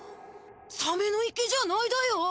サメの池じゃないだよ！？